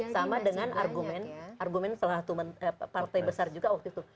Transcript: sama dengan argumen argumen salah satu partai besar juga waktu itu